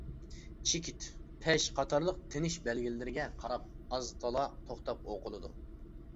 چېكىت، پەش قاتارلىق تىنىش بەلگىلىرىگە قاراپ ئاز-تولا توختاپ ئوقۇلىدۇ.